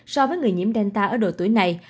so với người nhiễm delta ở độ tuổi này